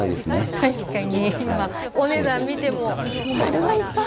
確かに今お値段見ても丸がいっぱい。